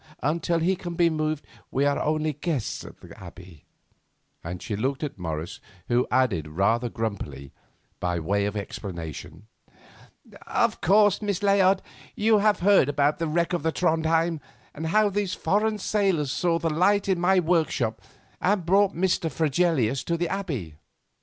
Until he can be moved we are only guests at the Abbey," and she looked at Morris, who added rather grumpily, by way of explanation: "Of course, Miss Layard, you have heard about the wreck of the Trondhjem, and how those foreign sailors saw the light in my workshop and brought Mr. Fregelius to the Abbey."